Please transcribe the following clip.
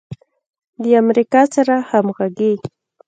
د امریکا سره همغږي